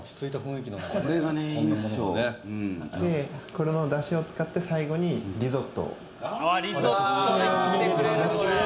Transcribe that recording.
これのだしを使って最後にリゾットをお出しします。